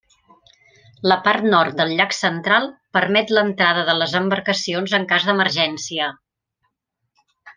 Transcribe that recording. La part nord del llac central permet l'entrada de les embarcacions en cas d'emergència.